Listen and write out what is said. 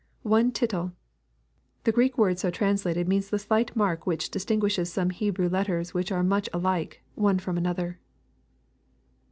[ One titde.] The Greek word so translated means the slight mark which distinguishes some Hebrew letters which are much alike, one from another.